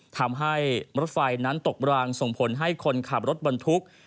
ทำให้รถไฟนั้นตกรางส่งผลให้คนขับรถบรรทุก